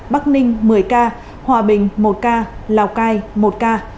bắc ninh một mươi ca hòa bình một ca lào cai một ca